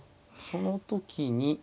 その時に。